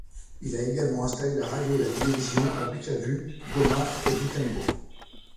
Il a également installé la Radio et la Télévision à Bukavu, Goma et Butembo.